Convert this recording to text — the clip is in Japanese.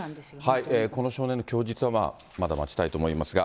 この少年の供述は、まだ待ちたいと思いますが。